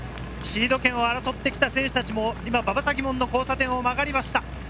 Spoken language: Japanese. シード権を争ってきた選手たちも馬場先門の交差点を曲がりました。